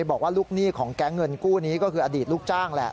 บอกว่าลูกหนี้ของแก๊งเงินกู้นี้ก็คืออดีตลูกจ้างแหละ